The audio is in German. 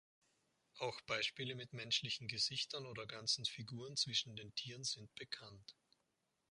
Auch Beispiele mit menschlichen Gesichtern oder ganzen Figuren zwischen den Tieren sind bekannt.